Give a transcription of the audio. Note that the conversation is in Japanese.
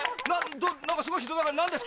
すごい人だかり何ですか？